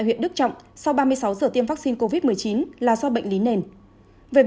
hãy đăng ký kênh để ủng hộ kênh của chúng mình nhé